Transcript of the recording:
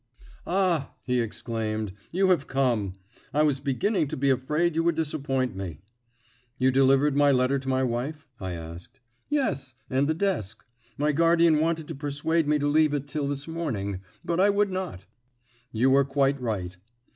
"Ah!" he exclaimed, "you have come. I was beginning to be afraid you would disappoint me." "You delivered my letter to my wife?" I asked. "Yes, and the desk. My guardian wanted to persuade me to leave it till this morning, but I would not." "You were quite right."